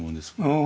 ああ。